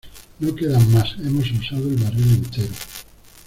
¡ No quedan más! ¡ hemos usado el barril entero !